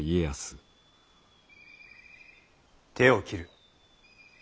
手を切る。